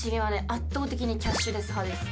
圧倒的にキャッシュレス派です。